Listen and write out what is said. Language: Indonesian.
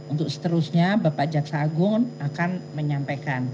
untuk seterusnya bapak jaksa agung akan menyampaikan